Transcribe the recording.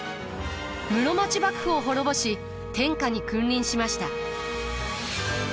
室町幕府を滅ぼし天下に君臨しました。